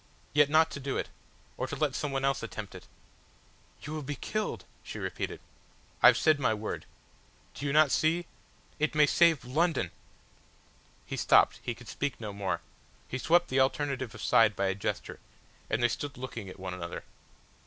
Yet, not to do it or to let some one else attempt it ." "You will be killed," she repeated. "I've said my word. Do you not see? It may save London!" He stopped, he could speak no more, he swept the alternative aside by a gesture, and they stood looking at one another.